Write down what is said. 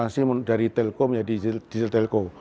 transisi dari telkom menjadi digital telco